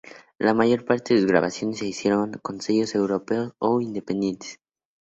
La mayor parte de sus grabaciones se hicieron con sellos europeos o independientes.